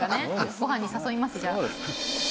ご飯に誘いますじゃあ。